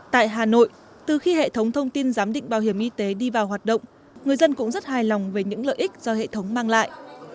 tại hà nội từ khi hệ thống thông tin giám định bảo hiểm y tế đi vào hoạt động người dân cũng rất hài lòng về những lợi ích do hệ thống mang lại